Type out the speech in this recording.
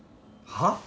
はあ？